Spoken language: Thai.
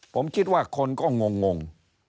ผมคิดว่าคนก็งง